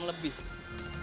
ini dari kemarin satu jam